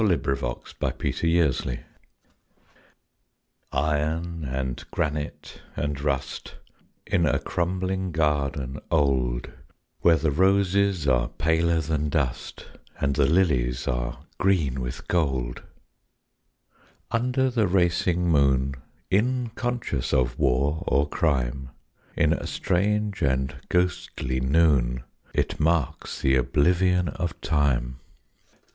The Moondial Iron and granite and rust, In a crumbling garden old, Where the roses are paler than dust And the lilies are green with gold, Under the racing moon, Inconscious of war or crime, In a strange and ghostly noon, It marks the oblivion of time.